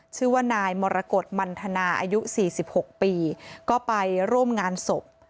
ชื่อว่านายมรกฏมันทนาอายุ๔๖ปีก็ไปร่วมงานศพ